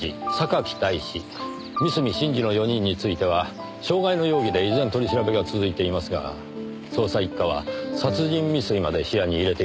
三隅慎二の４人については傷害の容疑で依然取り調べが続いていますが捜査一課は殺人未遂まで視野に入れているようですねぇ。